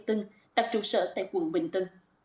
tân đặc trụ sở tại quận bình tân